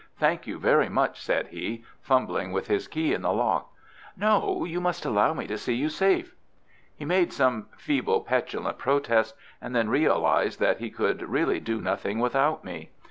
Thank you very much," said he, fumbling with his key in the lock. "No, you must allow me to see you safe." He made some feeble, petulant protest, and then realized that he could really do nothing without me.